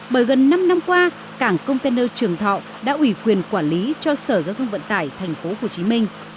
bởi gần năm năm qua cảng container trường thọ đã ủy quyền quản lý cho sở giao thông vận tải tp hcm